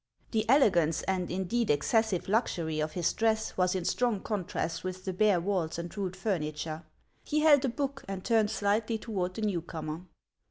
The elegance and indeed excessive luxury of his dress was in strong contrast with the bare walls and rude furniture ; he held a book, and turned slightly toward the new comer.